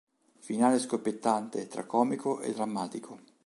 Finale scoppiettante tra comico e drammatico.